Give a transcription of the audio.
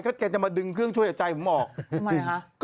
ก็แกจะมาดึงเครื่องช่วยหายใจผมบอก